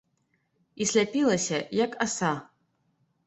І сляпілася, як аса.